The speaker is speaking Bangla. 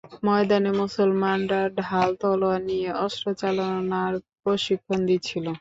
ময়দানে মুসলমানরা ঢাল-তলোয়ার নিয়ে অস্ত্রচালনার প্রশিক্ষণ দিচ্ছিল।